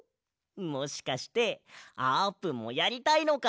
もしかしてあーぷんもやりたいのか？